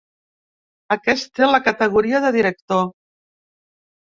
Aquest té la categoria de director.